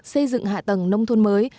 xây dựng hạ tầng nông thôn mới